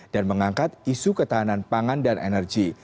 dan mengangkat isu ketahanan pangan dan energi